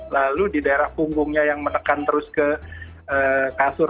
lalu di daerah punggungnya yang menekan terus ke kasur